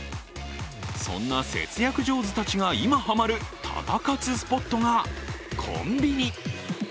そんな節約上手たちが今、ハマるタダ活スポットがコンビニ。